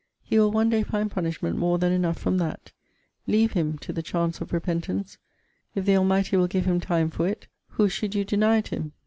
He will one day find punishment more than enough from that. Leave him to the chance of repentance. If the Almighty will give him time for it, who should you deny it him?